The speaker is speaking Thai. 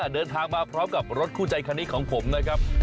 เดินทางมาพร้อมกับรถคู่ใจคันนี้ของผมนะครับ